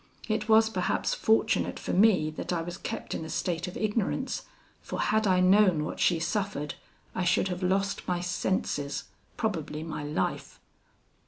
It was perhaps fortunate for me that I was kept in a state of ignorance, for had I known what she suffered, I should have lost my senses, probably my life.